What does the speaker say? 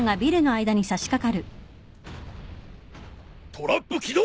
トラップ起動！